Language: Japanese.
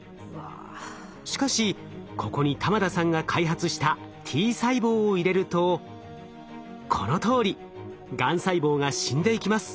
しかしここに玉田さんが開発したＴ細胞を入れるとこのとおりがん細胞が死んでいきます。